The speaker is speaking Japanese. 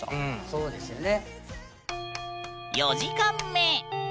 そうですよね。